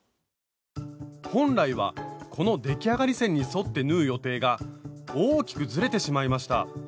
本来はこの出来上がり線に沿って縫う予定が大きくずれてしまいました。